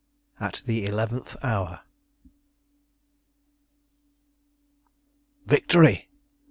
AT THE ELEVENTH HOUR. "Victory!